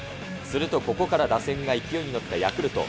するとここから打線が勢いに乗ったヤクルト。